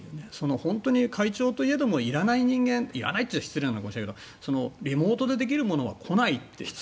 本当に会長といえどもいらない人間いらないといったら失礼かもしれないけどリモートでできるものは来ないって。